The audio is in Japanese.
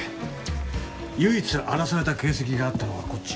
唯一荒らされた形跡があったのはこっち。